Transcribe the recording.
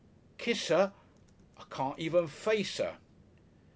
"Kiss 'er!" "I carn't even face 'er